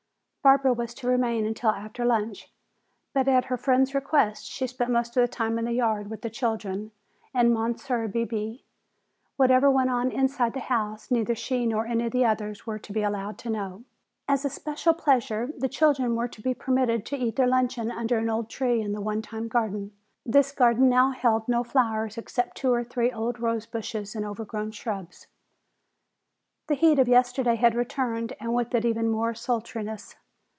Barbara was to remain until after lunch. But at her friend's request she spent most of the time in the yard with the children and Monsieur Bebé. Whatever went on inside the house neither she nor any of the others were to be allowed to know. As a special pleasure the children were to be permitted to eat their luncheon under an old tree in the one time garden. This garden now held no flowers except two or three old rosebushes and overgrown shrubs. The heat of yesterday had returned and with it even more sultriness.